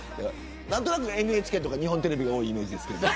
何となくＮＨＫや日本テレビが多いイメージですけど。